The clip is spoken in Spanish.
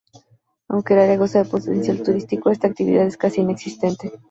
Aunque el área goza de potencial turístico, esta actividad es casi inexistente.